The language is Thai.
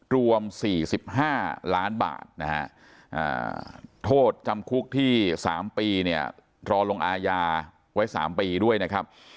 รวม๔๕ล้านบาทนะฮะโทษจำคุกที่๓ปีเนี่ยรอลงอาญาไว้๓ปีด้วยนะครับ